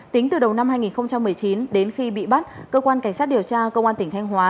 tính từ đầu năm hai nghìn một mươi chín đến khi bị bắt cơ quan cảnh sát điều tra công an tỉnh thanh hóa